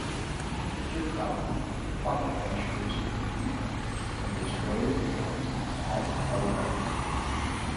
Kirkcaldy fought the French troops in Fife and they destroyed his house at Halyards.